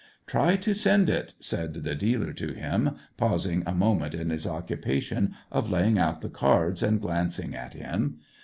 " Try to send it," said the dealer to him, paus ing a moment in his occupation of laying out the cards, and glancing at him.